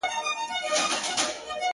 ه بيا دي ږغ کي يو عالم غمونه اورم ـ